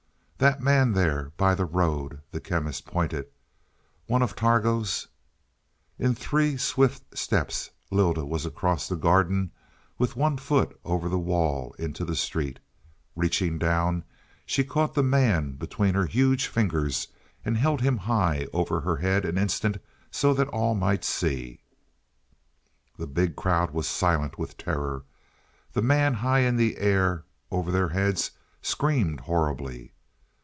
"That man there by the road " The Chemist pointed. "One of Targo's " In three swift steps Lylda was across the garden, with one foot over the wall into the street. Reaching down she caught the man between her huge fingers, and held him high over her head an instant so that all might see. The big crowd was silent with terror; the man high in the air over their heads screamed horribly.